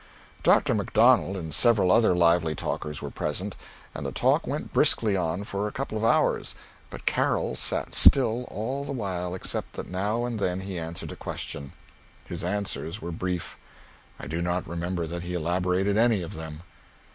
Dr. Macdonald and several other lively talkers were present, and the talk went briskly on for a couple of hours, but Carroll sat still all the while except that now and then he answered a question. His answers were brief. I do not remember that he elaborated any of them.